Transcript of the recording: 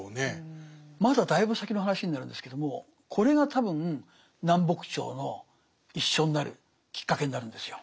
まだだいぶ先の話になるんですけどもこれが多分南北朝の一緒になるきっかけになるんですよ。